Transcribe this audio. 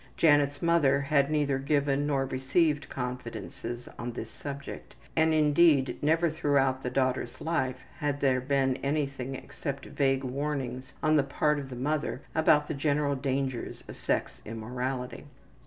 Janet's mother had neither given nor received confidences on this subject, and indeed never throughout the daughter's life has there been anything except vague warnings on the part of the mother about the general dangers of sex immorality.